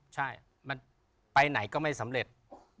ใช่มันไปไหนก็ไม่สำเร็จ